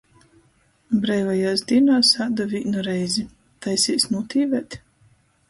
Breivajuos dīnuos ādu vīnu reizi... Taisīs nūtīvēt?